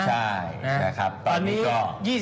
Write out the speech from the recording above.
ใช่นะครับตอนนี้ก็